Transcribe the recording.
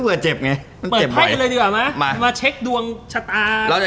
มันก็แปลว่าเปิด๙ใบเลยนะ